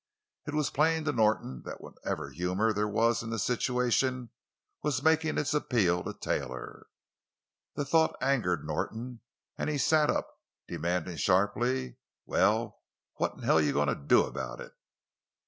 It was plain to Norton that whatever humor there was in the situation was making its appeal to Taylor. The thought angered Norton, and he sat up, demanding sharply: "Well, what in hell are you going to do about it?"